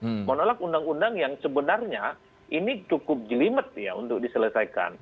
nah saya mengatakan bahwa ini adalah undang undang yang sebenarnya ini cukup jelimet ya untuk diselesaikan